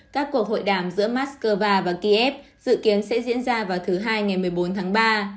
các cuộc hội đàm giữa moscow và kiev dự kiến sẽ diễn ra vào thứ hai ngày một mươi bốn tháng ba